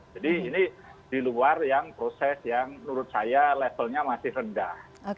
jadi ini di luar yang proses yang menurut saya levelnya masih rendah